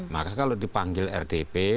maka kalau dipanggil rdp